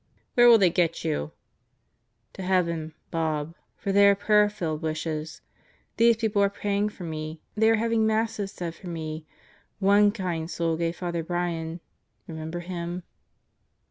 "Where will they get you?" "To heaven, Bob; for they are prayer filled wishes. These people are praying for me. They are having Masses said for me. One kind soul gave Father Brian remember him?